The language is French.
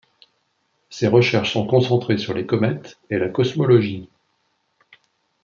Ses recherches sont concentrées sur les comètes et la cosmologie.